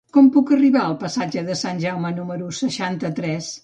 Com puc arribar al passatge de Sant Jaume número seixanta-tres?